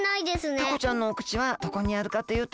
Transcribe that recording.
タコちゃんのお口はどこにあるかというと。